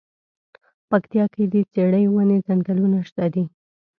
پکتيا کی د څیړۍ ونی ځنګلونه شته دی.